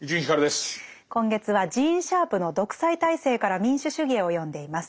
今月はジーン・シャープの「独裁体制から民主主義へ」を読んでいます。